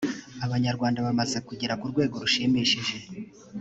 abanyarwanda bamaze kugera ku rwego rushimishije